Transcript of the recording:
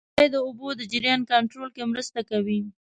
• غونډۍ د اوبو د جریان کنټرول کې مرسته کوي.